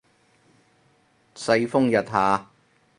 世風日下